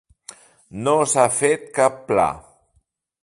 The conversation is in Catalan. No s'ha fet cap pla.